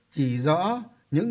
chỉ rõ những